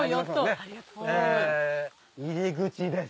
入り口です。